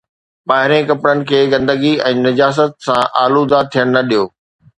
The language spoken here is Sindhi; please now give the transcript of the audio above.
ٻاهرين ڪپڙن کي گندگي ۽ نجاست سان آلوده ٿيڻ نه ڏيو.